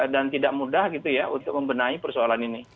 dan tidak mudah gitu ya untuk membenahi persoalan ini